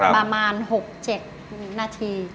ประมาณ๖๗นาที